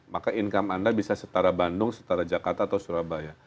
maka income anda bisa setara bandung setara jakarta atau surabaya